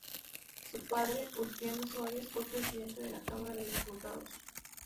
Su padre, Ulpiano Suarez, fue presidente de la Cámara de Diputados.